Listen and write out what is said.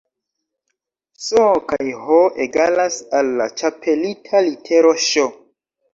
S kaj H egalas al la ĉapelita litero Ŝ